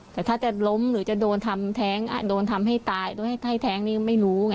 แต่ถ้าจะล้มหรือจะโดนทำแท้งโดนทำให้ตายโดนให้แท้งนี่ไม่รู้ไง